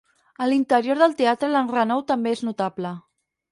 A l'interior del teatre l'enrenou també és notable.